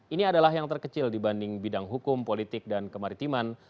ini adalah yang terkecil dibanding bidang hukum politik dan kemaritiman